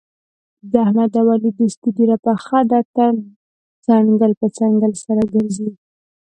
د احمد او علي دوستي ډېره پخه ده، تل څنګل په څنګل سره ګرځي.